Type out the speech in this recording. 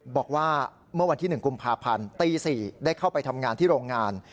บอกว่าเมื่อวันที่๑กุมภาพันธ์ตี๔ได้เข้าไปทำงานที่โรงงาน